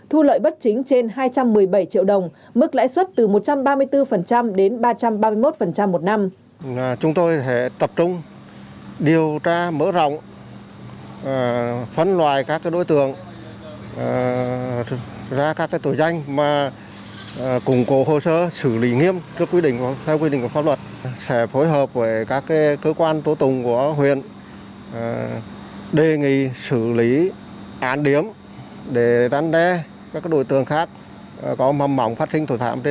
hà cho nhiều người vay với số tiền trên một năm triệu đồng thu lợi bất chính trên hai trăm một mươi bảy triệu đồng mức lãi suất từ một trăm ba mươi bốn đến ba trăm ba mươi một một năm